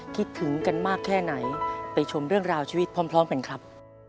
คิดถึงกันมากแค่ไหนไปชมเรื่องราวชีวิตพร้อมกันครับ